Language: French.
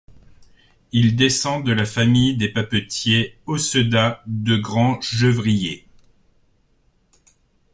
Il descend de la famille des papetiers Aussedat de Cran-Gevrier.